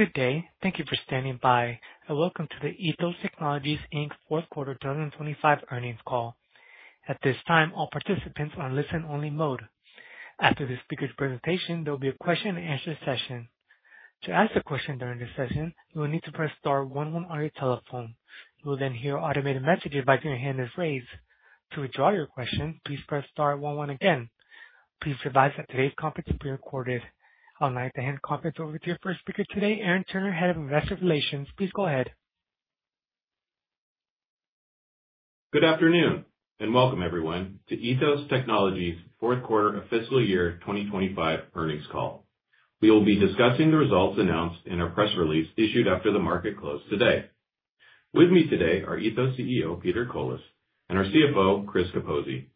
Good day. Thank you for standing by. Welcome to the Ethos Technologies Inc. fourth quarter 2025 earnings call. At this time, all participants are in listen-only mode. After the speaker's presentation, there will be a question-and-answer session. To ask a question during this session, you will need to press star one one on your telephone. You will hear an automated message advising your hand is raised. To withdraw your question, please press star one one again. Please be advised that today's conference is being recorded. I'd like to hand the conference over to your first speaker today, Aaron Turner, Head of Investor Relations. Please go ahead. Good afternoon, welcome everyone to Ethos Technologies fourth quarter of fiscal year 2025 earnings call. We will be discussing the results announced in our press release issued after the market closed today. With me today are Ethos CEO, Peter Colis, our CFO, Chris Capozzi.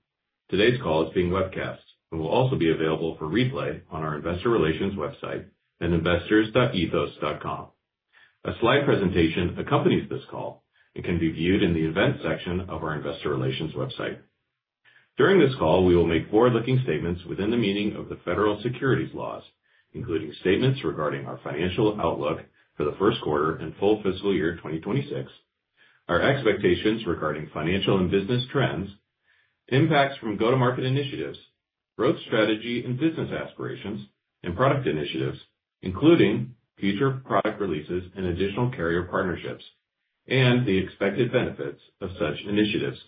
Today's call is being webcast and will also be available for replay on our Investor Relations website at investors.ethos.com. A slide presentation accompanies this call and can be viewed in the events section of our Investor Relations website. During this call, we will make forward-looking statements within the meaning of the federal securities laws, including statements regarding our financial outlook for the first quarter and full fiscal year 2026, our expectations regarding financial and business trends, impacts from go-to-market initiatives, growth strategy and business aspirations and product initiatives, including future product releases and additional carrier partnerships, and the expected benefits of such initiatives.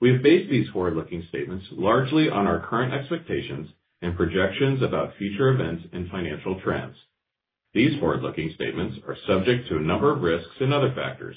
We have based these forward-looking statements largely on our current expectations and projections about future events and financial trends. These forward-looking statements are subject to a number of risks and other factors.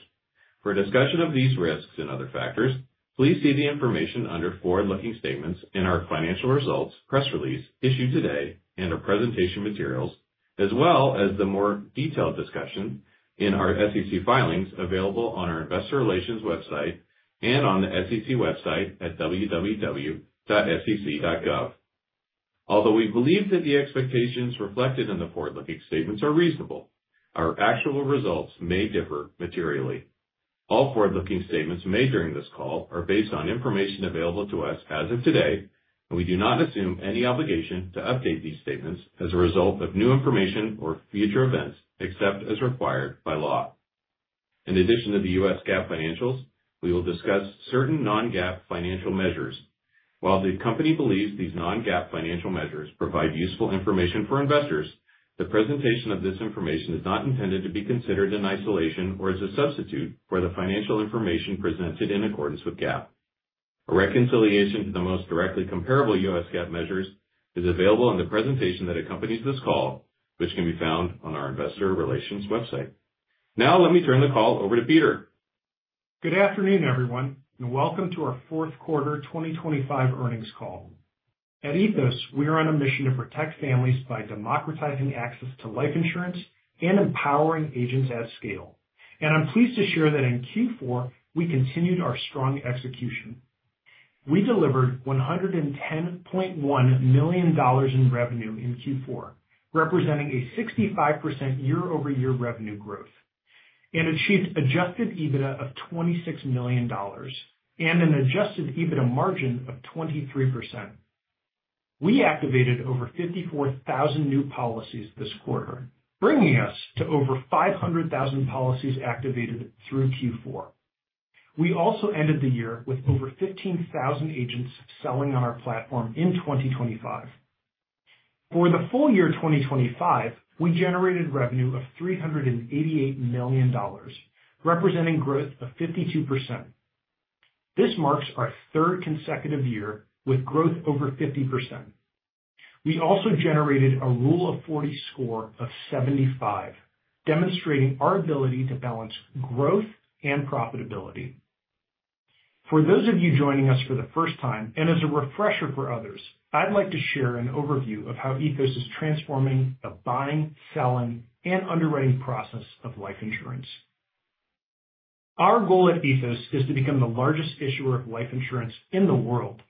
For a discussion of these risks and other factors, please see the information under "Forward-Looking Statements" in our financial results, press release issued today and our presentation materials, as well as the more detailed discussion in our SEC filings available on our Investor Relations website and on the SEC website at www.sec.gov. Although we believe that the expectations reflected in the forward-looking statements are reasonable, our actual results may differ materially. All forward-looking statements made during this call are based on information available to us as of today, and we do not assume any obligation to update these statements as a result of new information or future events, except as required by law. In addition to the U.S. GAAP financials, we will discuss certain non-GAAP financial measures. While the company believes these non-GAAP financial measures provide useful information for investors, the presentation of this information is not intended to be considered in isolation or as a substitute for the financial information presented in accordance with GAAP. A reconciliation to the most directly comparable U.S. GAAP measures is available in the presentation that accompanies this call, which can be found on our Investor Relations website. Let me turn the call over to Peter. Good afternoon, everyone, welcome to our fourth quarter 2025 earnings call. At Ethos, we are on a mission to protect families by democratizing access to life insurance and empowering agents at scale. I'm pleased to share that in Q4, we continued our strong execution. We delivered $110.1 million in revenue in Q4, representing a 65% year-over-year revenue growth, and achieved adjusted EBITDA of $26 million and an adjusted EBITDA margin of 23%. We activated over 54,000 new policies this quarter, bringing us to over 500,000 policies activated through Q4. We also ended the year with over 15,000 agents selling on our platform in 2025. For the full year 2025, we generated revenue of $388 million, representing growth of 52%. This marks our third consecutive year with growth over 50%. We also generated a Rule of 40 score of 75, demonstrating our ability to balance growth and profitability. For those of you joining us for the first time, and as a refresher for others, I'd like to share an overview of how Ethos is transforming the buying, selling, and underwriting process of life insurance. Our goal at Ethos is to become the largest issuer of life insurance in the world.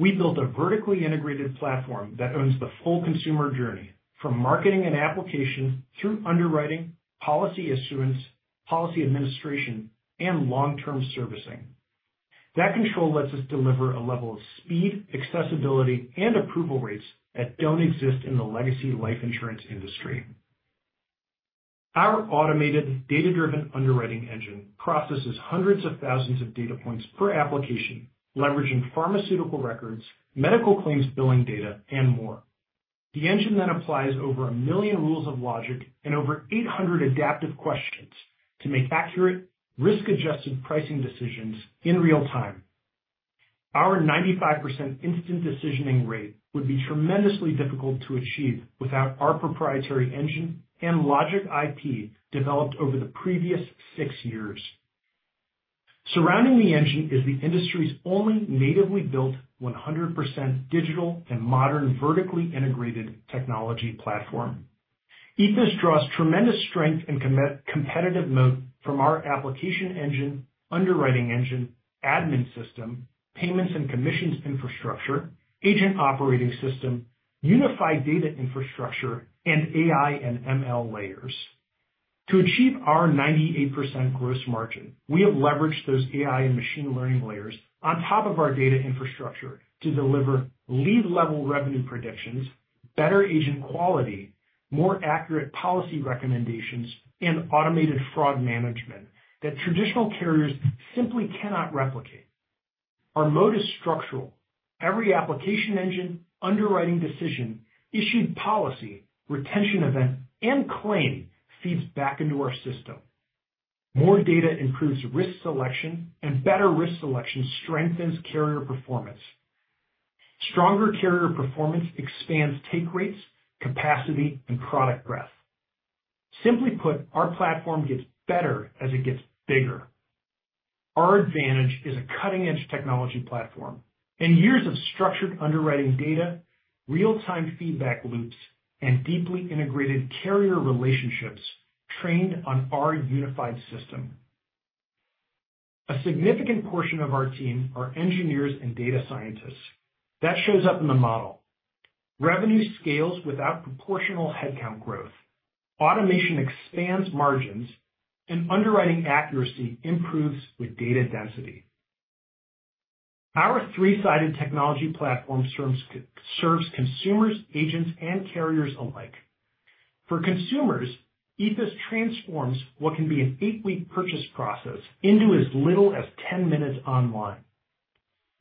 We built a vertically integrated platform that owns the full consumer journey, from marketing and application through underwriting, policy issuance, policy administration, and long-term servicing. That control lets us deliver a level of speed, accessibility, and approval rates that don't exist in the legacy life insurance industry. Our automated, data-driven underwriting engine processes hundreds of thousands of data points per application, leveraging pharmaceutical records, medical claims, billing data, and more. The engine applies over 1 million rules of logic and over 800 adaptive questions to make accurate, risk-adjusted pricing decisions in real time. Our 95% instant decisioning rate would be tremendously difficult to achieve without our proprietary engine and logic IP. developed over the previous six years. Surrounding the engine is the industry's only natively built, 100% digital and modern vertically integrated technology platform. Ethos draws tremendous strength and competitive moat from our application engine, underwriting engine, admin system, payments and commissions infrastructure, agent operating system, unified data infrastructure, and AI and ML layers. To achieve our 98% gross margin, we have leveraged those AI and machine learning layers on top of our data infrastructure to deliver lead-level revenue predictions, better agent quality, more accurate policy recommendations, and automated fraud management that traditional carriers simply cannot replicate. Our mode is structural. Every application engine, underwriting decision, issued policy, retention event, and claim feeds back into our system. More data improves risk selection. Better risk selection strengthens carrier performance. Stronger carrier performance expands take rates, capacity, and product breadth. Simply put, our platform gets better as it gets bigger. Our advantage is a cutting-edge technology platform and years of structured underwriting data, real-time feedback loops, and deeply integrated carrier relationships trained on our unified system. A significant portion of our team are engineers and data scientists. That shows up in the model. Revenue scales without proportional headcount growth, automation expands margins. Underwriting accuracy improves with data density. Our three-sided technology platform serves consumers, agents, and carriers alike. For consumers, Ethos transforms what can be an eight-week purchase process into as little as 10 minutes online.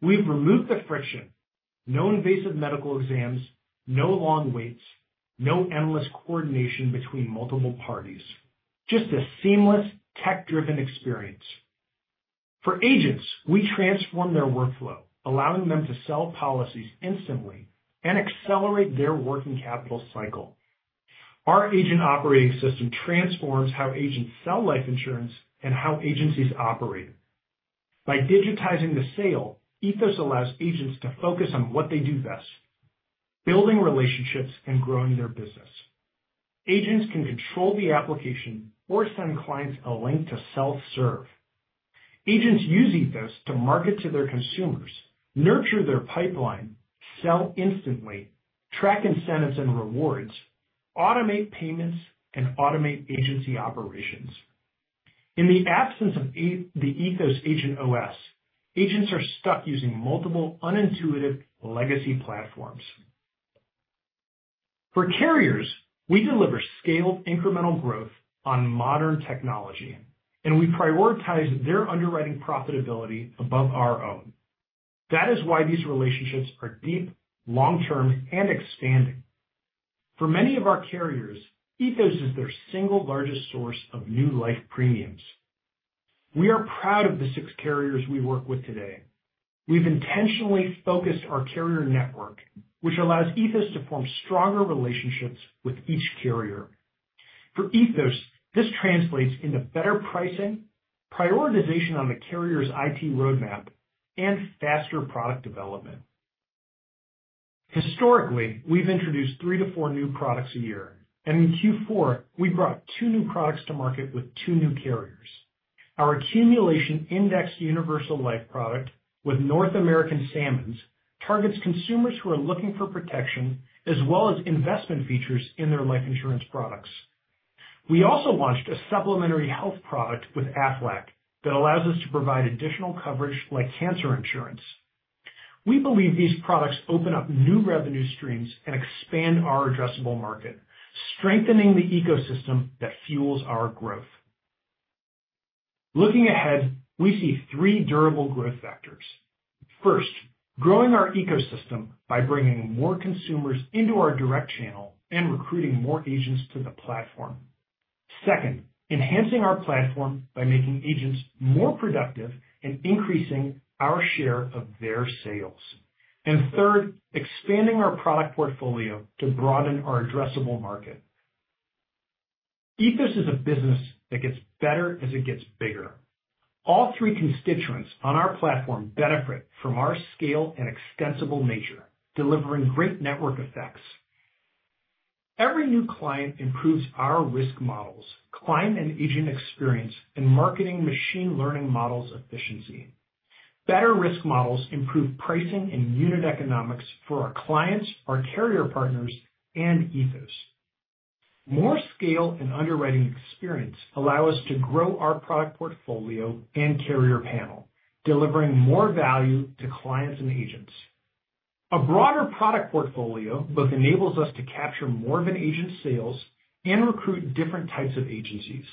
We've removed the friction, no invasive medical exams, no long waits, no endless coordination between multiple parties, just a seamless, tech-driven experience. For agents, we transform their workflow, allowing them to sell policies instantly and accelerate their working capital cycle. Our agent operating system transforms how agents sell life insurance and how agencies operate. By digitizing the sale, Ethos allows agents to focus on what they do best, building relationships and growing their business. Agents can control the application or send clients a link to self-serve. Agents use Ethos to market to their consumers, nurture their pipeline, sell instantly, track incentives and rewards, automate payments, and automate agency operations. In the absence of the Ethos Agent OS, agents are stuck using multiple unintuitive legacy platforms. For carriers, we deliver scaled, incremental growth on modern technology, and we prioritize their underwriting profitability above our own. That is why these relationships are deep, long-term, and expanding. For many of our carriers, Ethos is their single largest source of new life premiums. We are proud of the six carriers we work with today. We've intentionally focused our carrier network, which allows Ethos to form stronger relationships with each carrier. For Ethos, this translates into better pricing, prioritization on the carrier's IT roadmap, and faster product development. Historically, we've introduced three to four new products a year. In Q4, we brought two new products to market with two new carriers. Our Accumulation Indexed Universal Life product with North American Sammons targets consumers who are looking for protection as well as investment features in their life insurance products. We also launched a supplementary health product with Aflac that allows us to provide additional coverage, like cancer insurance. We believe these products open up new revenue streams and expand our addressable market, strengthening the ecosystem that fuels our growth. Looking ahead, we see three durable growth vectors. First, growing our ecosystem by bringing more consumers into our direct channel and recruiting more agents to the platform. Second, enhancing our platform by making agents more productive and increasing our share of their sales. Third, expanding our product portfolio to broaden our addressable market. Ethos is a business that gets better as it gets bigger. All three constituents on our platform benefit from our scale and extensible nature, delivering great network effects. Every new client improves our risk models, client and agent experience, and marketing machine learning models' efficiency. Better risk models improve pricing and unit economics for our clients, our carrier partners, and Ethos. More scale and underwriting experience allow us to grow our product portfolio and carrier panel, delivering more value to clients and agents. A broader product portfolio both enables us to capture more of an agent's sales and recruit different types of agencies.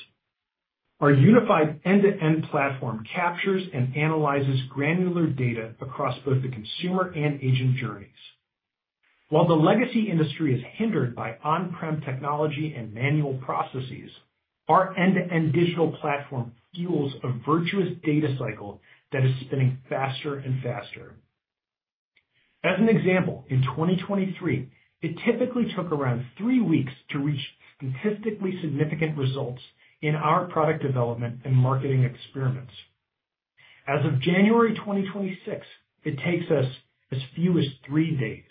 Our unified end-to-end platform captures and analyzes granular data across both the consumer and agent journeys. While the legacy industry is hindered by on-prem technology and manual processes, our end-to-end digital platform fuels a virtuous data cycle that is spinning faster and faster. As an example, in 2023, it typically took around three weeks to reach statistically significant results in our product development and marketing experiments. As of January 2026, it takes us as few as three days.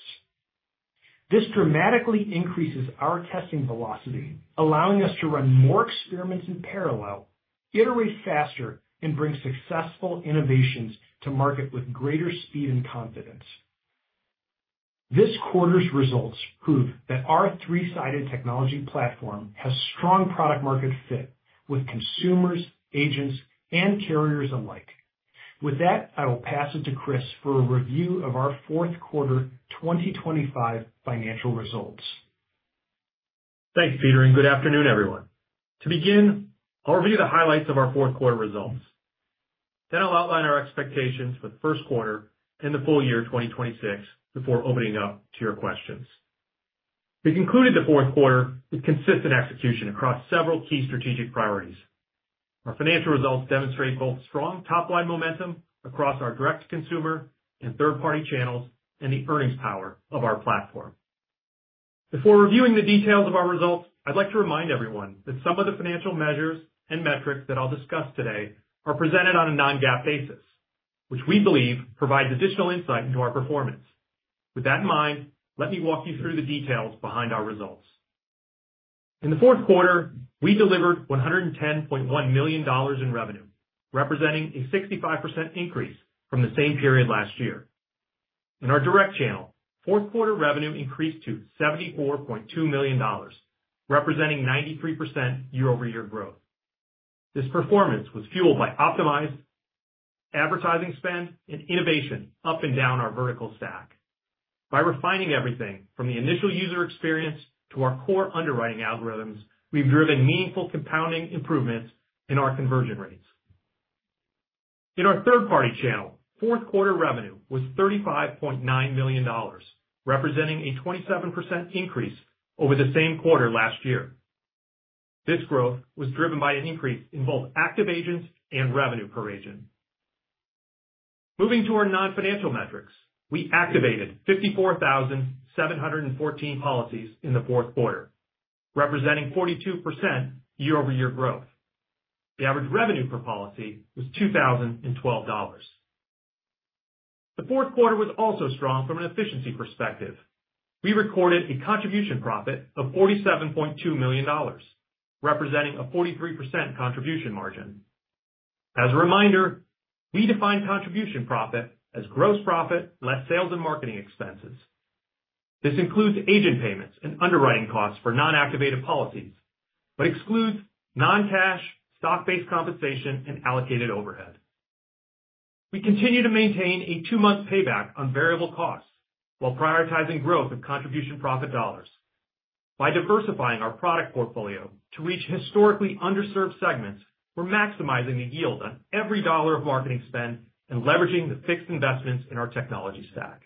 This dramatically increases our testing velocity, allowing us to run more experiments in parallel, iterate faster, and bring successful innovations to market with greater speed and confidence. This quarter's results prove that our three-sided technology platform has strong product market fit with consumers, agents, and carriers alike. With that, I will pass it to Chris for a review of our fourth quarter 2025 financial results. Thanks, Peter. Good afternoon, everyone. To begin, I'll review the highlights of our fourth quarter results. I'll outline our expectations for the first quarter and the full year 2026, before opening up to your questions. We concluded the fourth quarter with consistent execution across several key strategic priorities. Our financial results demonstrate both strong top-line momentum across our direct consumer and third-party channels and the earnings power of our platform. Before reviewing the details of our results, I'd like to remind everyone that some of the financial measures and metrics that I'll discuss today are presented on a non-GAAP basis, which we believe provides additional insight into our performance. With that in mind, let me walk you through the details behind our results. In the fourth quarter, we delivered $110.1 million in revenue, representing a 65% increase from the same period last year. In our direct channel, fourth quarter revenue increased to $74.2 million, representing 93% year-over-year growth. This performance was fueled by optimized advertising spend and innovation up and down our vertical stack. By refining everything from the initial user experience to our core underwriting algorithms, we've driven meaningful compounding improvements in our conversion rates. In our third-party channel, fourth quarter revenue was $35.9 million, representing a 27% increase over the same quarter last year. This growth was driven by an increase in both active agents and revenue per agent. Moving to our non-financial metrics, we activated 54,714 policies in the fourth quarter, representing 42% year-over-year growth. The average revenue per policy was $2,012. The fourth quarter was also strong from an efficiency perspective. We recorded a contribution profit of $47.2 million, representing a 43% contribution margin. As a reminder, we define contribution profit as gross profit, less sales and marketing expenses. This includes agent payments and underwriting costs for non-activated policies, but excludes non-cash, stock-based compensation, and allocated overhead. We continue to maintain a two-month payback on variable costs while prioritizing growth of contribution profit dollars. By diversifying our product portfolio to reach historically underserved segments, we're maximizing the yield on every dollar of marketing spend and leveraging the fixed investments in our technology stack.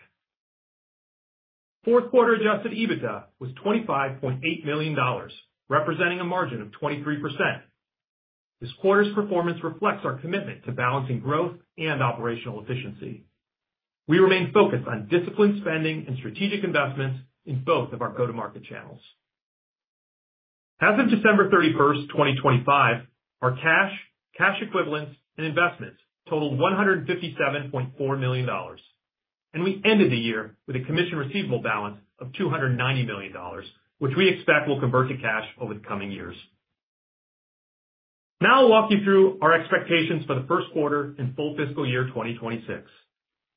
Fourth quarter adjusted EBITDA was $25.8 million, representing a margin of 23%. This quarter's performance reflects our commitment to balancing growth and operational efficiency. We remain focused on disciplined spending and strategic investments in both of our go-to-market channels. As of December 31st, 2025, our cash equivalents, and investments totaled $157.4 million, and we ended the year with a commission receivable balance of $290 million, which we expect will convert to cash over the coming years. I'll walk you through our expectations for the first quarter and full fiscal year 2026.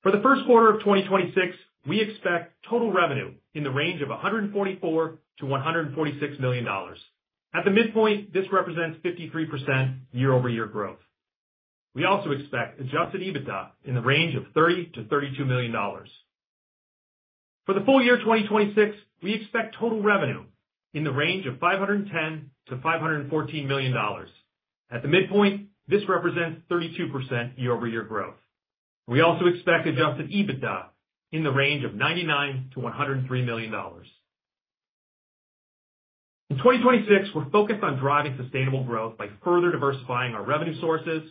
For the first quarter of 2026, we expect total revenue in the range of $144 million-$146 million. At the midpoint, this represents 53% year-over-year growth. We also expect adjusted EBITDA in the range of $30 million-$32 million. For the full year 2026, we expect total revenue in the range of $510 million-$514 million. At the midpoint, this represents 32% year-over-year growth. We also expect adjusted EBITDA in the range of $99 million-$103 million. In 2026, we're focused on driving sustainable growth by further diversifying our revenue sources,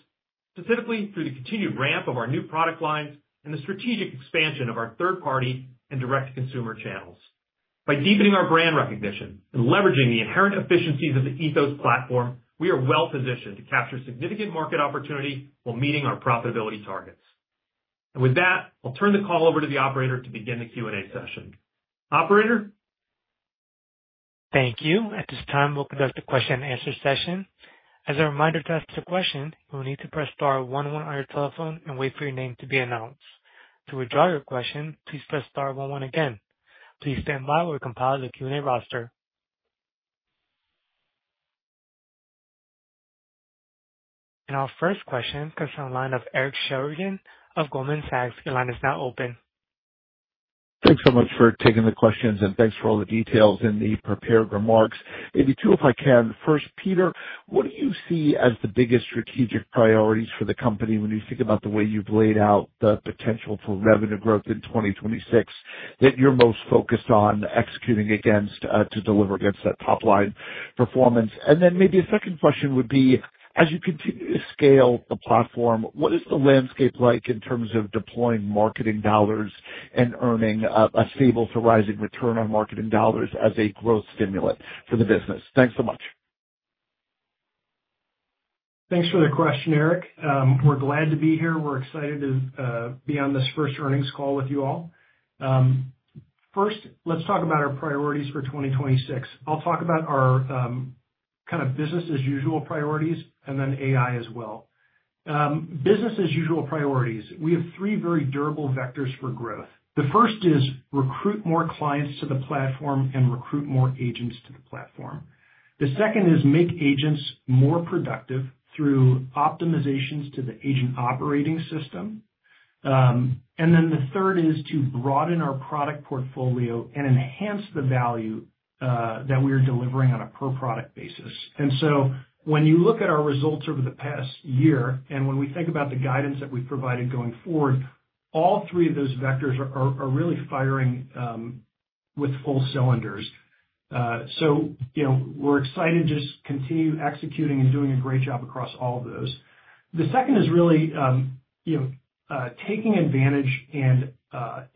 specifically through the continued ramp of our new product lines and the strategic expansion of our third party and direct-to-consumer channels. By deepening our brand recognition and leveraging the inherent efficiencies of the Ethos platform, we are well positioned to capture significant market opportunity while meeting our profitability targets. With that, I'll turn the call over to the operator to begin the Q&A session. Operator? Thank you. At this time, we'll conduct a question-and-answer session. As a reminder, to ask a question, you will need to press star one one on your telephone and wait for your name to be announced. To withdraw your question, please press star one one again. Please stand by while we compile the Q&A roster. Our first question comes from the line of Eric Sheridan of Goldman Sachs. Your line is now open. Thanks so much for taking the questions, and thanks for all the details in the prepared remarks. Maybe two, if I can. First, Peter, what do you see as the biggest strategic priorities for the company when you think about the way you've laid out the potential for revenue growth in 2026, that you're most focused on executing against to deliver against that top-line performance? Maybe a second question would be: As you continue to scale the platform, what is the landscape like in terms of deploying marketing dollars and earning a stable to rising return on marketing dollars as a growth stimulant for the business? Thanks so much. Thanks for the question, Eric. We're glad to be here. We're excited to be on this first earnings call with you all. First, let's talk about our priorities for 2026. I'll talk about our kind of business as usual priorities, and then AI as well. Business as usual priorities, we have three very durable vectors for growth. The first is recruit more clients to the platform and recruit more agents to the platform. The second is make agents more productive through optimizations to the agent operating system. The third is to broaden our product portfolio and enhance the value that we are delivering on a per product basis. When you look at our results over the past year, and when we think about the guidance that we've provided going forward, all three of those vectors are really firing with full cylinders. You know, we're excited to just continue executing and doing a great job across all of those. The second is really, you know, taking advantage and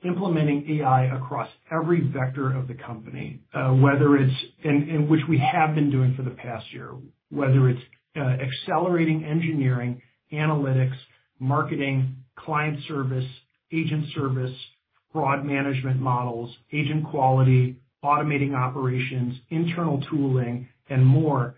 implementing AI across every vector of the company, whether it's... And which we have been doing for the past year. Whether it's accelerating engineering, analytics, marketing, client service, agent service, fraud management models, agent quality, automating operations, internal tooling, and more.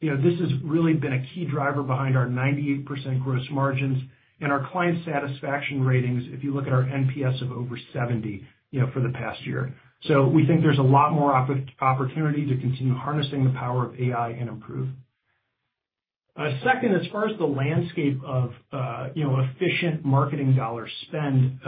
You know, this has really been a key driver behind our 98% gross margins and our client satisfaction ratings, if you look at our NPS of over 70, you know, for the past year. We think there's a lot more opportunity to continue harnessing the power of AI and improve. Second, as far as the landscape of, you know, efficient marketing dollar spend,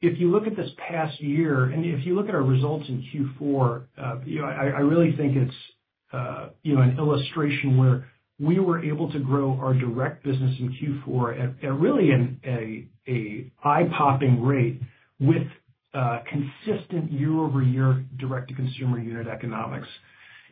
if you look at this past year, and if you look at our results in Q4, you know, I really think it's, you know, an illustration where we were able to grow our direct business in Q4 at really an eye-popping rate with consistent year-over-year direct-to-consumer unit economics.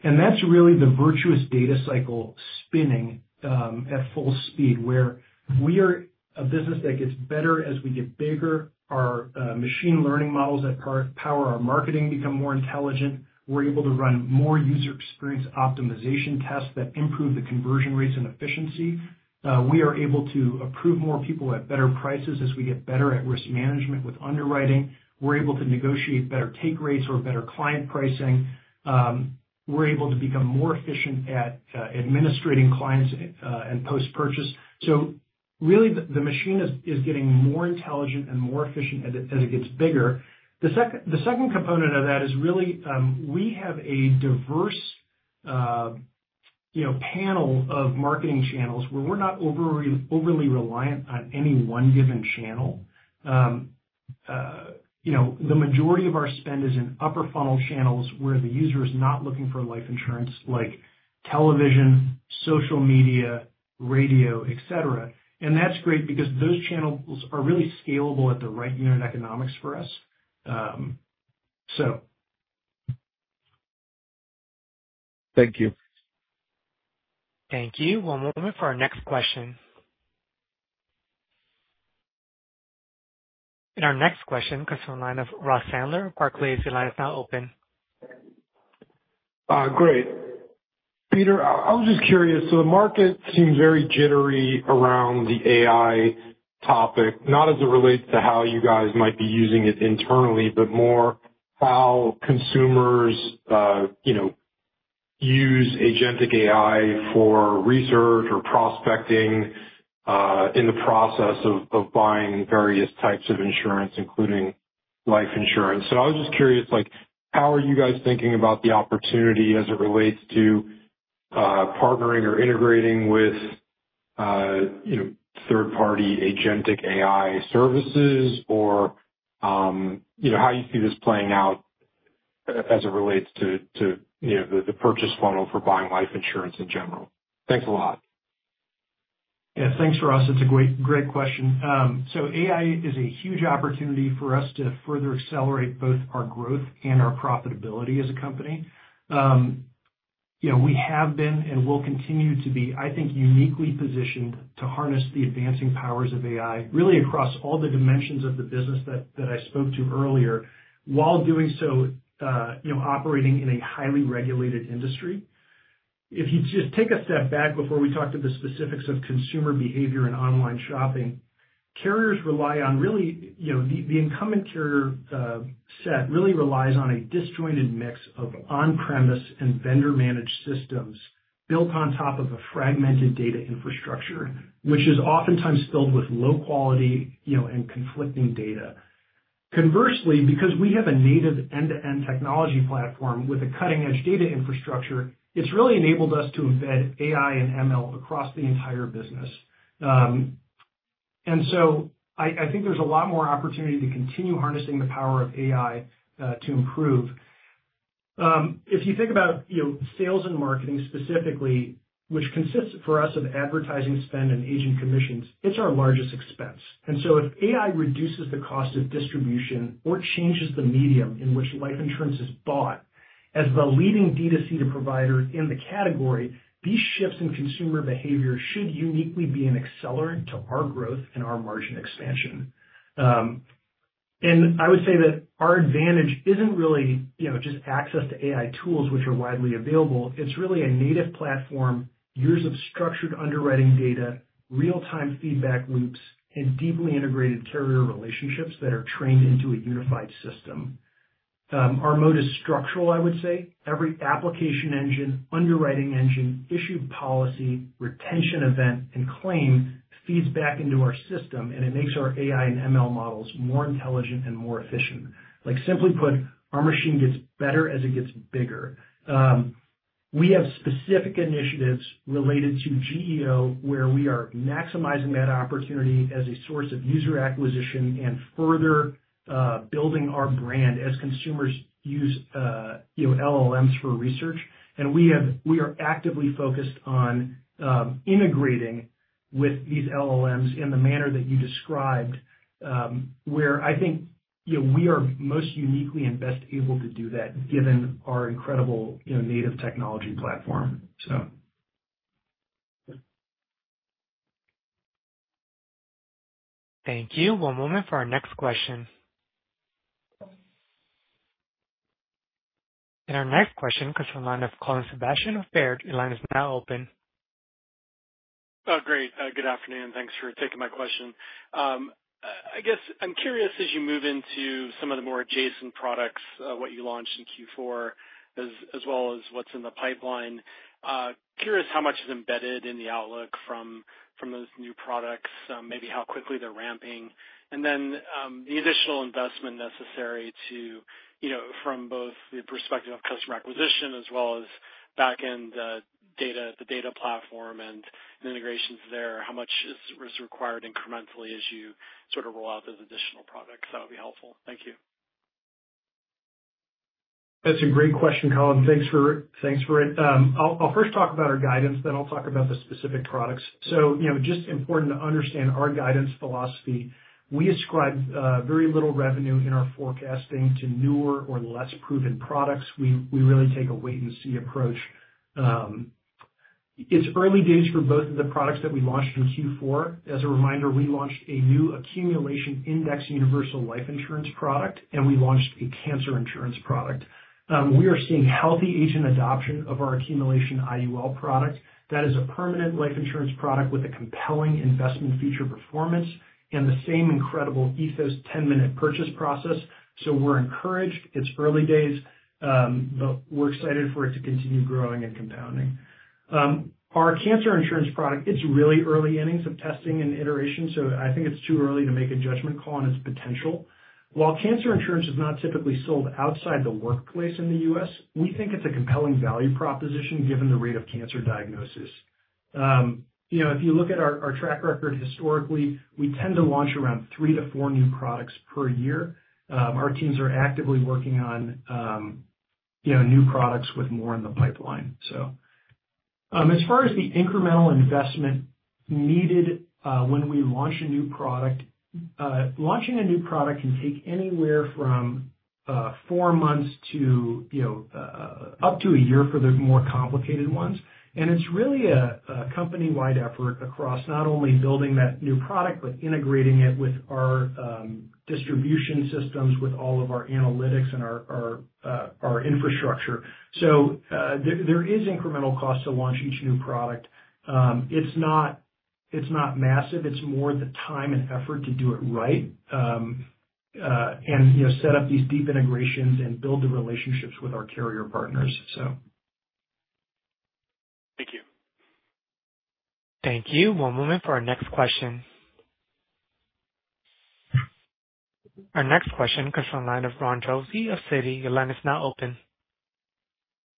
That's really the virtuous data cycle spinning at full speed, where we are a business that gets better as we get bigger. Our machine learning models that power our marketing become more intelligent. We're able to run more user experience optimization tests that improve the conversion rates and efficiency. We are able to approve more people at better prices as we get better at risk management with underwriting. We're able to negotiate better take rates or better client pricing. We're able to become more efficient at administrating clients and post-purchase. Really, the machine is getting more intelligent and more efficient as it gets bigger. The second component of that is really, we have a diverse, you know, panel of marketing channels where we're not overly reliant on any one given channel. You know, the majority of our spend is in upper funnel channels, where the user is not looking for life insurance, like television, social media, radio, et cetera. That's great because those channels are really scalable at the right unit economics for us. Thank you. One moment for our next question. Our next question comes from the line of Ross Sandler, Barclays. Your line is now open. Great. Peter, I was just curious, the market seems very jittery around the AI topic, not as it relates to how you guys might be using it internally, but more how consumers, you know, use agentic AI for research or prospecting, in the process of buying various types of insurance, including life insurance. I was just curious, like, how are you guys thinking about the opportunity as it relates to, partnering or integrating with, you know, third-party agentic AI services? Or, you know, how you see this playing out as it relates to, you know, the purchase funnel for buying life insurance in general? Thanks a lot. Yeah, thanks for Ross. It's a great question. AI is a huge opportunity for us to further accelerate both our growth and our profitability as a company. You know, we have been and will continue to be, I think, uniquely positioned to harness the advancing powers of AI, really across all the dimensions of the business that I spoke to earlier, while doing so, you know, operating in a highly regulated industry. If you just take a step back before we talk to the specifics of consumer behavior and online shopping, carriers rely on really, you know, the incumbent carrier, set really relies on a disjointed mix of on-premise and vendor-managed systems built on top of a fragmented data infrastructure, which is oftentimes filled with low quality, you know, and conflicting data. Conversely, because we have a native end-to-end technology platform with a cutting-edge data infrastructure, it's really enabled us to embed AI and ML across the entire business. I think there's a lot more opportunity to continue harnessing the power of AI to improve. If you think about, you know, sales and marketing specifically, which consists for us of advertising spend and agent commissions, it's our largest expense. If AI reduces the cost of distribution or changes the medium in which life insurance is bought, as the leading D2C provider in the category, these shifts in consumer behavior should uniquely be an accelerant to our growth and our margin expansion. I would say that our advantage isn't really, you know, just access to AI tools, which are widely available. It's really a native platform, years of structured underwriting data, real-time feedback loops, and deeply integrated carrier relationships that are trained into a unified system. Our mode is structural, I would say. Every application engine, underwriting engine, issued policy, retention event, and claim feeds back into our system, and it makes our AI and ML models more intelligent and more efficient. Like, simply put, our machine gets better as it gets bigger. We have specific initiatives related to GEO, where we are maximizing that opportunity as a source of user acquisition and further, building our brand as consumers use, you know, LLMs for research. We are actively focused on integrating with these LLMs in the manner that you described, where I think, you know, we are most uniquely and best able to do that, given our incredible, you know, native technology platform, so. Thank you. One moment for our next question. Our next question comes from the line of Colin Sebastian of Baird. Your line is now open. Oh, great. Good afternoon, and thanks for taking my question. I guess I'm curious, as you move into some of the more adjacent products, what you launched in Q4, as well as what's in the pipeline, curious how much is embedded in the outlook from those new products, maybe how quickly they're ramping? The additional investment necessary to, you know, from both the perspective of customer acquisition as well as back-end, data, the data platform and the integrations there, how much is required incrementally as you sort of roll out those additional products? That would be helpful. Thank you. That's a great question, Colin. Thanks for it. I'll first talk about our guidance, then I'll talk about the specific products. You know, just important to understand our guidance philosophy. We ascribe very little revenue in our forecasting to newer or less proven products. We really take a wait and see approach. It's early days for both of the products that we launched in Q4. As a reminder, we launched a new Accumulation Indexed Universal Life insurance product, and we launched a cancer insurance product. We are seeing healthy agent adoption of our Accumulation IUL product. That is a permanent life insurance product with a compelling investment feature performance and the same incredible Ethos 10-minute purchase process. We're encouraged. It's early days, but we're excited for it to continue growing and compounding. Our cancer insurance product, it's really early innings of testing and iteration, so I think it's too early to make a judgment call on its potential. While cancer insurance is not typically sold outside the workplace in the U.S., we think it's a compelling value proposition given the rate of cancer diagnosis. You know, if you look at our track record historically, we tend to launch around three to four new products per year. Our teams are actively working on, you know, new products with more in the pipeline. As far as the incremental investment needed, when we launch a new product, launching a new product can take anywhere from four months to, you know, up to a year for the more complicated ones. It's really a company-wide effort across not only building that new product, but integrating it with our distribution systems, with all of our analytics and our infrastructure. There is incremental cost to launch each new product. It's not massive, it's more the time and effort to do it right, and, you know, set up these deep integrations and build the relationships with our carrier partners, so. Thank you. Thank you. One moment for our next question. Our next question comes from the line of Ron Josey of Citi. Your line is now open.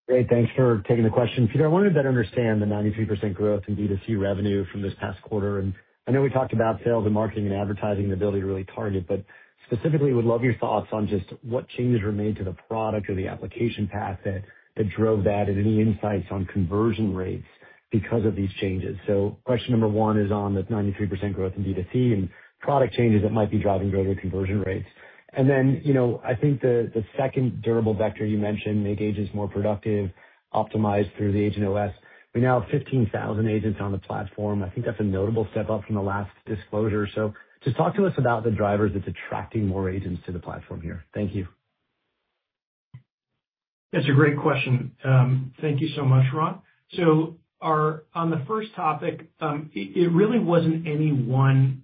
Great. Thanks for taking the question. Peter, I wanted to better understand the 93% growth in D2C revenue from this past quarter. I know we talked about sales and marketing and advertising and ability to really target, but specifically would love your thoughts on just what changes were made to the product or the application path that drove that, and any insights on conversion rates because of these changes. Question number one is on the 93% growth in D2C and product changes that might be driving greater conversion rates. You know, I think the second durable vector you mentioned, make agents more productive, optimized through the Agent OS. We now have 15,000 agents on the platform. I think that's a notable step up from the last disclosure. Just talk to us about the drivers that's attracting more agents to the platform here. Thank you. That's a great question. Thank you so much, Ron. On the first topic, it really wasn't any one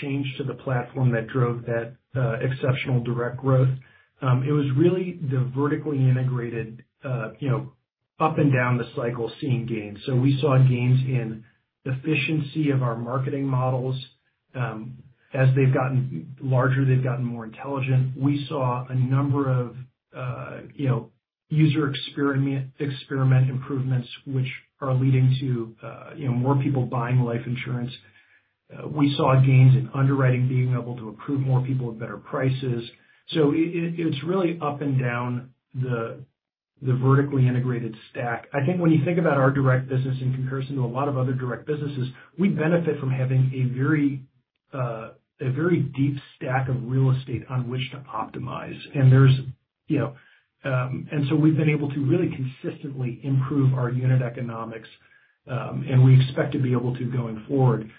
change to the platform that drove that exceptional direct growth. It was really the vertically integrated, you know, up and down the cycle, seeing gains. We saw gains in efficiency of our marketing models. As they've gotten larger, they've gotten more intelligent. We saw a number of, you know, user experiment improvements, which are leading to, you know, more people buying life insurance. We saw gains in underwriting, being able to approve more people at better prices. It's really up and down the vertically integrated stack. I think when you think about our direct business in comparison to a lot of other direct businesses, we benefit from having a very, a very deep stack of real estate on which to optimize. There's, you know. We've been able to really consistently improve our unit economics, and we expect to be able to going forward,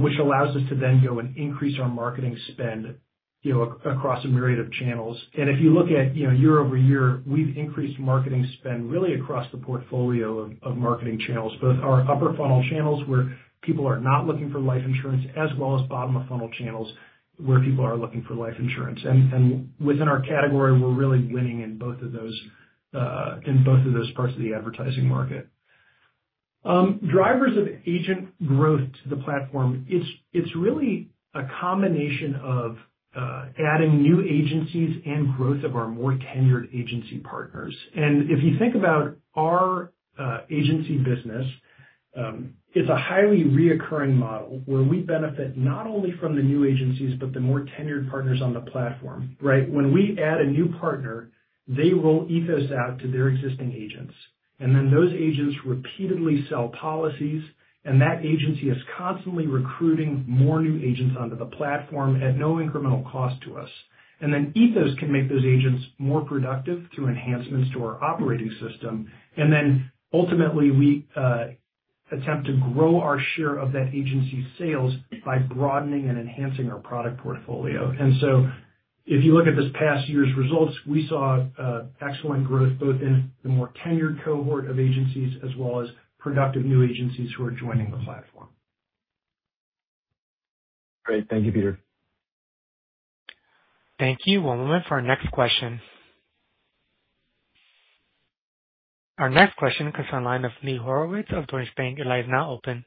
which allows us to then go and increase our marketing spend, you know, across a myriad of channels. If you look at, you know, year-over-year, we've increased marketing spend really across the portfolio of marketing channels, both our upper funnel channels, where people are not looking for life insurance, as well as bottom-of-funnel channels, where people are looking for life insurance. Within our category, we're really winning in both of those, in both of those parts of the advertising market. Drivers of agent growth to the platform, it's really a combination of adding new agencies and growth of our more tenured agency partners. If you think about our agency business, it's a highly recurring model where we benefit not only from the new agencies, but the more tenured partners on the platform, right? When we add a new partner, they roll Ethos out to their existing agents, and then those agents repeatedly sell policies, and that agency is constantly recruiting more new agents onto the platform at no incremental cost to us. Ethos can make those agents more productive through enhancements to our operating system, and then ultimately, we attempt to grow our share of that agency's sales by broadening and enhancing our product portfolio. If you look at this past year's results, we saw excellent growth both in the more tenured cohort of agencies as well as productive new agencies who are joining the platform. Great. Thank you, Peter. Thank you. One moment for our next question. Our next question comes on the line of Lee Horowitz of Deutsche Bank. Your line is now open.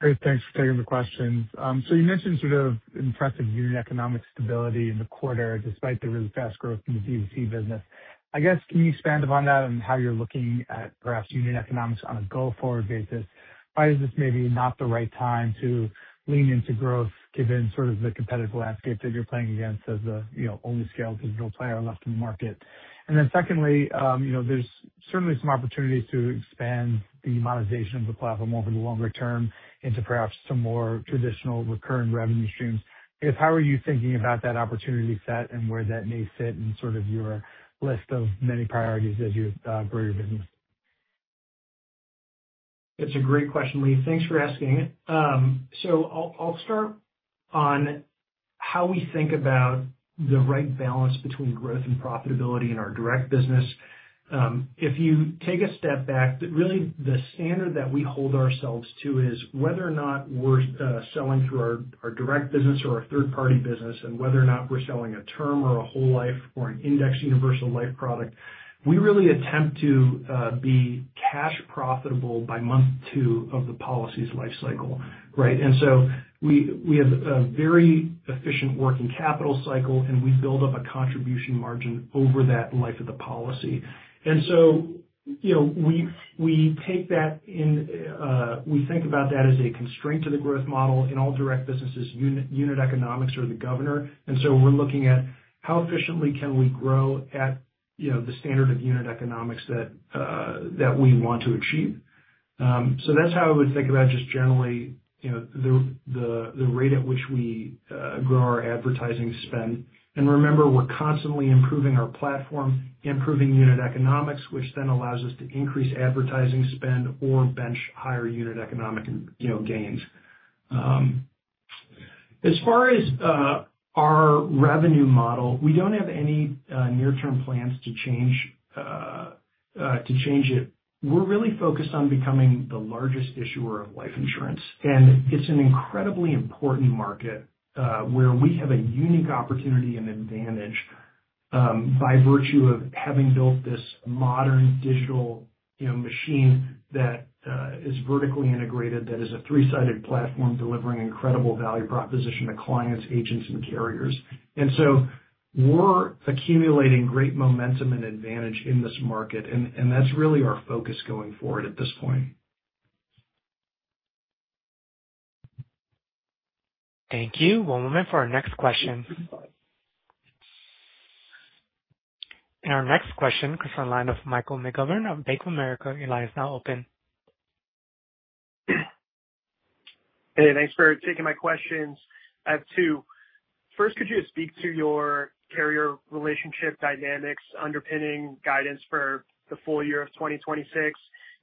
Great, thanks for taking the questions. You mentioned sort of impressive unit economic stability in the quarter, despite the really fast growth in the B2C business. I guess, can you expand upon that and how you're looking at perhaps unit economics on a go-forward basis? Why is this maybe not the right time to lean into growth given sort of the competitive landscape that you're playing against as the, you know, only scale digital player left in the market? Secondly, you know, there's certainly some opportunities to expand the monetization of the platform over the longer term into perhaps some more traditional recurring revenue streams. How are you thinking about that opportunity set and where that may fit in sort of your list of many priorities as you grow your business? It's a great question, Lee. Thanks for asking it. I'll start on how we think about the right balance between growth and profitability in our direct business. If you take a step back, really the standard that we hold ourselves to is whether or not we're selling through our direct business or our third-party business, and whether or not we're selling a term or a whole life or an Indexed Universal Life product, we really attempt to be cash profitable by month two of the policy's life cycle, right? We have a very efficient working capital cycle, and we build up a contribution margin over that life of the policy. You know, we take that in, we think about that as a constraint to the growth model. In all direct businesses, unit economics are the governor. We're looking at how efficiently can we grow at, you know, the standard of unit economics that we want to achieve. That's how I would think about just generally, you know, the rate at which we grow our advertising spend. Remember, we're constantly improving our platform, improving unit economics, which then allows us to increase advertising spend or bench higher unit economic, you know, gains. As far as our revenue model, we don't have any near-term plans to change it. We're really focused on becoming the largest issuer of life insurance, and it's an incredibly important market, where we have a unique opportunity and advantage, by virtue of having built this modern digital, you know, machine that is vertically integrated, that is a three-sided platform, delivering incredible value proposition to clients, agents, and carriers. We're accumulating great momentum and advantage in this market, and that's really our focus going forward at this point. Thank you. One moment for our next question. Our next question comes on the line of Michael McGovern of Bank of America. Your line is now open. Hey, thanks for taking my questions. I have two. First, could you speak to your carrier relationship dynamics underpinning guidance for the full year of 2026?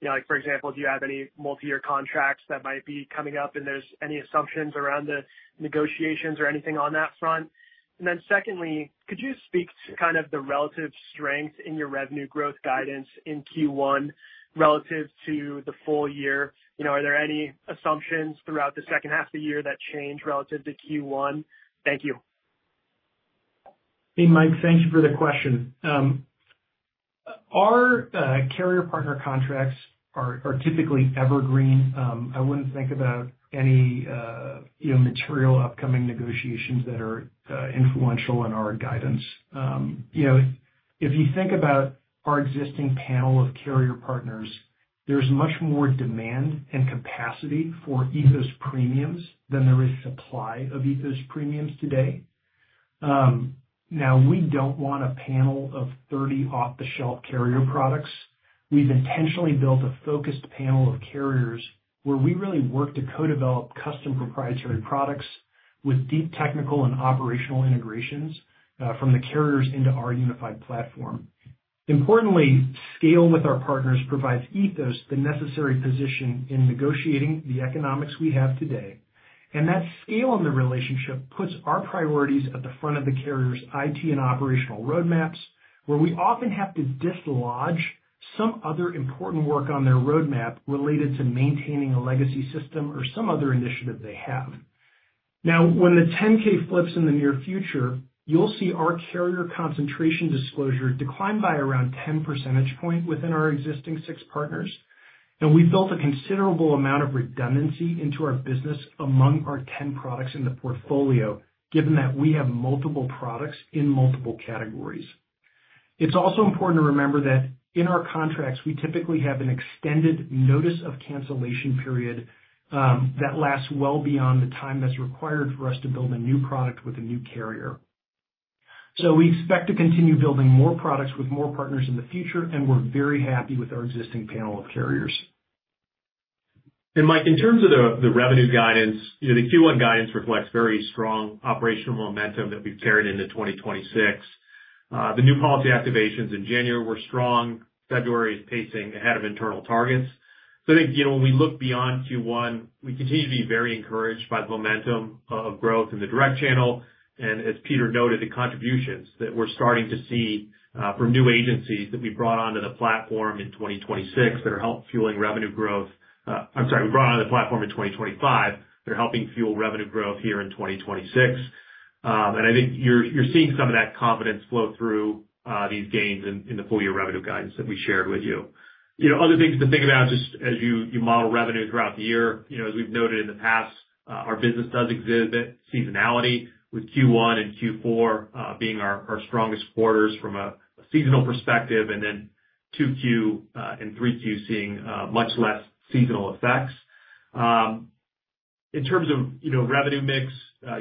You know, like, for example, do you have any multiyear contracts that might be coming up, and there's any assumptions around the negotiations or anything on that front? Secondly, could you speak to kind of the relative strength in your revenue growth guidance in Q1 relative to the full year? You know, are there any assumptions throughout the second half of the year that change relative to Q1? Thank you. Hey, Mike, thank you for the question. Our carrier partner contracts are typically evergreen. I wouldn't think about any, you know, material upcoming negotiations that are influential in our guidance. You know, if you think about our existing panel of carrier partners, there's much more demand and capacity for Ethos premiums than there is supply of Ethos premiums today. Now, we don't want a panel of 30 off-the-shelf carrier products. We've intentionally built a focused panel of carriers, where we really work to co-develop custom proprietary products with deep technical and operational integrations from the carriers into our unified platform. Importantly, scale with our partners provides Ethos the necessary position in negotiating the economics we have today. That scale in the relationship puts our priorities at the front of the carrier's IT and operational roadmaps, where we often have to dislodge some other important work on their roadmap related to maintaining a legacy system or some other initiative they have. When the 10-K flips in the near future, you'll see our carrier concentration disclosure decline by around 10 percentage point within our existing six partners. We've built a considerable amount of redundancy into our business among our 10 products in the portfolio, given that we have multiple products in multiple categories. It's also important to remember that in our contracts, we typically have an extended notice of cancellation period that lasts well beyond the time that's required for us to build a new product with a new carrier. We expect to continue building more products with more partners in the future, and we're very happy with our existing panel of carriers. Mike, in terms of the revenue guidance, you know, the Q1 guidance reflects very strong operational momentum that we've carried into 2026. The new policy activations in January were strong. February is pacing ahead of internal targets. I think, you know, when we look beyond Q1, we continue to be very encouraged by the momentum of growth in the direct channel, as Peter noted, the contributions that we're starting to see from new agencies that we brought onto the platform in 2026, that are help fueling revenue growth. I'm sorry, we brought onto the platform in 2025. They're helping fuel revenue growth here in 2026. I think you're seeing some of that confidence flow through these gains in the full year revenue guidance that we shared with you. You know, other things to think about just as you model revenue throughout the year, you know, as we've noted in the past, our business does exhibit seasonality with Q1 and Q4 being our strongest quarters from a seasonal perspective, and then Q2 and Q3 seeing much less seasonal effects. In terms of, you know, revenue mix,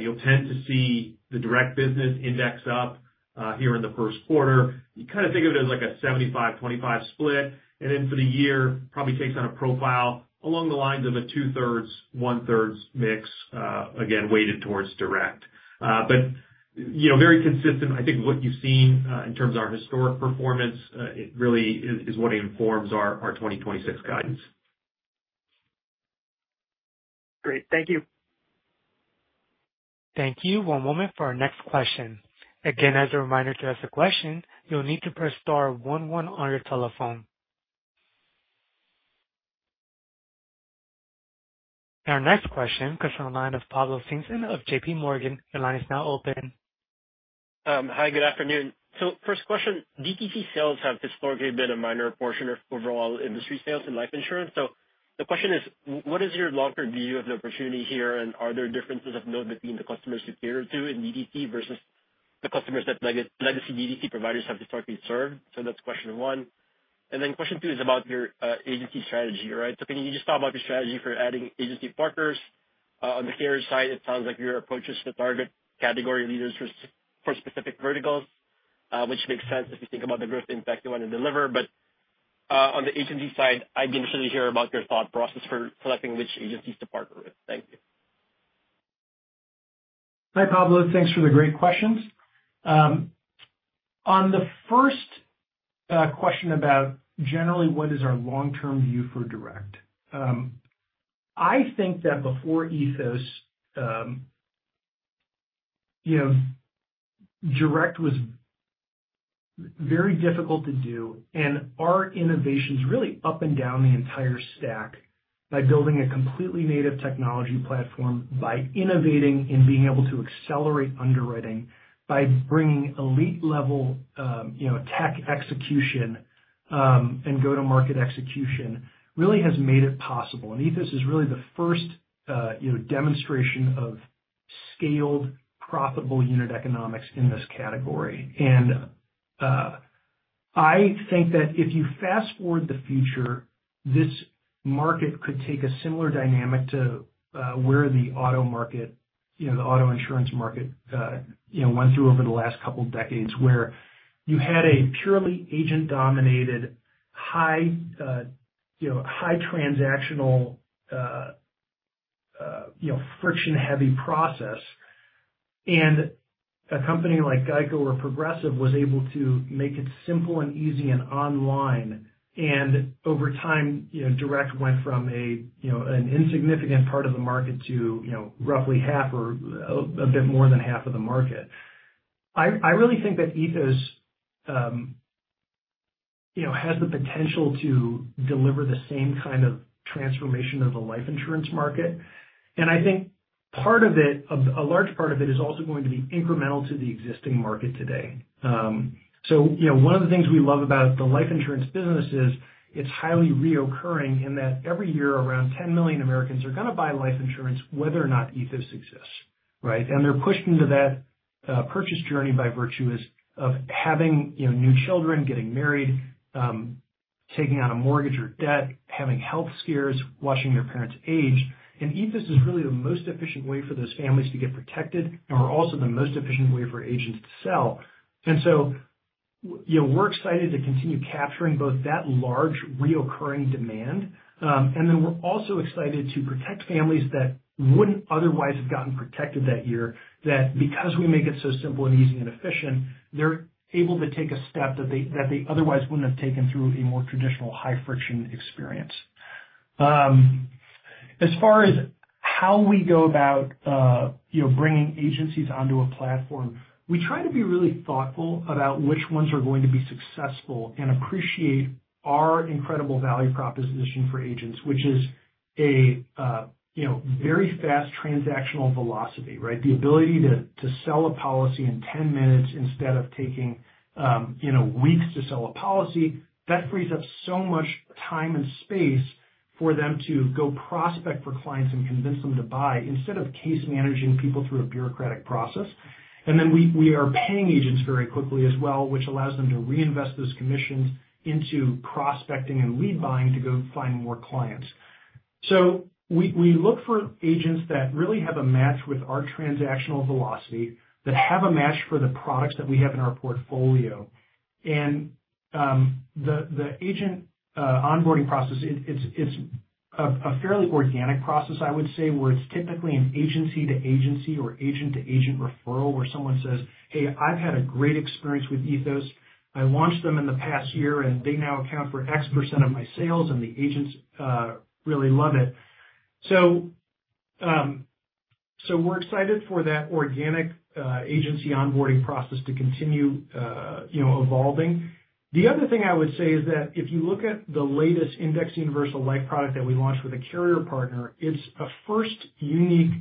you'll tend to see the direct business index up here in the first quarter. You kind of think of it as like a 75%, 25% split, and then for the year, probably takes on a profile along the lines of a two thirds, one thirds mix, again, weighted towards direct. But, you know, very consistent. I think what you've seen in terms of our historic performance, it really is what informs our 2026 guidance. Great. Thank you. Thank you. One moment for our next question. Again, as a reminder, to ask a question, you'll need to press star one one on your telephone. Our next question comes from the line of Pablo Singzon of JPMorgan. Your line is now open. Hi, good afternoon. First question, DTC sales have historically been a minor portion of overall industry sales in life insurance. The question is, what is your longer view of the opportunity here, and are there differences of note between the customers you cater to in DTC versus the customers that legacy DTC providers have historically served? That's question one, and then question two is about your agency strategy, right? Can you just talk about your strategy for adding agency partners? On the carrier side, it sounds like your approach is to target category leaders for specific verticals, which makes sense if you think about the growth impact you wanna deliver. On the agency side, I'd be interested to hear about your thought process for selecting which agencies to partner with. Thank you. Hi, Pablo. Thanks for the great questions. On the first question about generally, what is our long-term view for direct? I think that before Ethos, you know, direct was very difficult to do, and our innovations really up and down the entire stack, by building a completely native technology platform, by innovating and being able to accelerate underwriting, by bringing elite level, you know, tech execution, and go-to-market execution, really has made it possible. Ethos is really the first, you know, demonstration of scaled, profitable unit economics in this category. I think that if you fast forward the future, this market could take a similar dynamic to where the auto market, you know, the auto insurance market, you know, went through over the last couple of decades. Where you had a purely agent-dominated, high, you know, high transactional, you know, friction-heavy process, and a company like GEICO or Progressive was able to make it simple and easy and online. Over time, you know, direct went from a, you know, an insignificant part of the market to, you know, roughly half or a bit more than half of the market. I really think that Ethos, you know, has the potential to deliver the same kind of transformation of the life insurance market. I think part of it, a large part of it, is also going to be incremental to the existing market today. You know, one of the things we love about the life insurance business is it's highly reoccurring in that every year, around 10 million Americans are gonna buy life insurance, whether or not Ethos exists, right? They're pushed into that purchase journey by virtuous of having, you know, new children, getting married, taking out a mortgage or debt, having health scares, watching their parents age. Ethos is really the most efficient way for those families to get protected and are also the most efficient way for agents to sell. you know, we're excited to continue capturing both that large reoccurring demand. we're also excited to protect families that wouldn't otherwise have gotten protected that year. Because we make it so simple and easy and efficient, they're able to take a step that they, that they otherwise wouldn't have taken through a more traditional, high-friction experience. As far as how we go about, you know, bringing agencies onto a platform, we try to be really thoughtful about which ones are going to be successful and appreciate our incredible value proposition for agents, which is a, you know, very fast transactional velocity, right? The ability to sell a policy in 10 minutes instead of taking, you know, weeks to sell a policy, that frees up so much time and space for them to go prospect for clients and convince them to buy instead of case managing people through a bureaucratic process. We are paying agents very quickly as well, which allows them to reinvest those commissions into prospecting and lead buying to go find more clients. We look for agents that really have a match with our transactional velocity, that have a match for the products that we have in our portfolio. The agent onboarding process, it's a fairly organic process, I would say, where it's typically an agency-to-agency or agent-to-agent referral, where someone says, "Hey, I've had a great experience with Ethos. I launched them in the past year, and they now account for X% of my sales, and the agents really love it." We're excited for that organic agency onboarding process to continue, you know, evolving. The other thing I would say is that if you look at the latest Indexed Universal Life product that we launched with a carrier partner, it's a first unique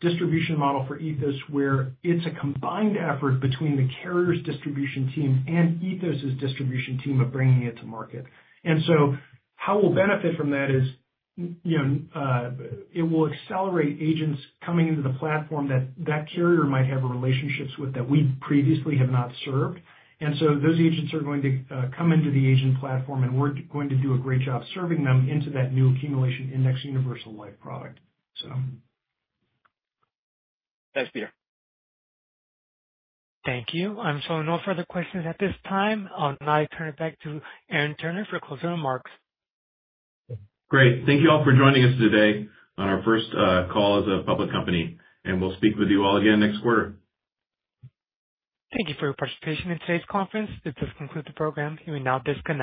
distribution model for Ethos, where it's a combined effort between the carrier's distribution team and Ethos's distribution team of bringing it to market. How we'll benefit from that is, you know, it will accelerate agents coming into the platform that carrier might have relationships with that we previously have not served. Those agents are going to come into the agent platform, and we're going to do a great job serving them into that new Accumulation Indexed Universal Life product, so. Thanks, Peter. Thank you. I'm showing no further questions at this time. I'll now turn it back to Aaron Turner for closing remarks. Great. Thank you all for joining us today on our first call as a public company. We'll speak with you all again next quarter. Thank you for your participation in today's conference. This does conclude the program. You may now disconnect.